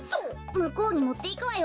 むこうにもっていくわよ。